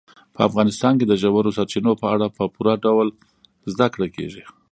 په افغانستان کې د ژورو سرچینو په اړه په پوره ډول زده کړه کېږي.